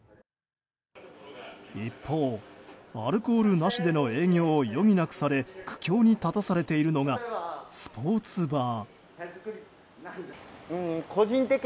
一方、アルコールなしでの営業を余儀なくされ苦境に立たされているのがスポーツバー。